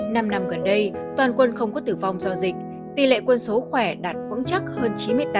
năm năm gần đây toàn quân không có tử vong do dịch tỷ lệ quân số khỏe đạt vững chắc hơn chín mươi tám